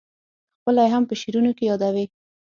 خپله یې هم په شعرونو کې یادوې.